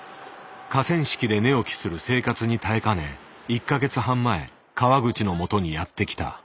河川敷で寝起きする生活に耐えかね１か月半前川口のもとにやって来た。